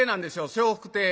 笑福亭。